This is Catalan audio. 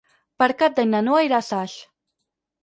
Per Cap d'Any na Noa irà a Saix.